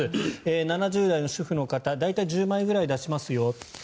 ７０代の主婦の方大体１０枚ぐらい出しますよと。